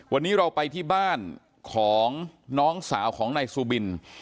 วันนี้เราไปที่บ้านของน้องสาวของนายซูบิน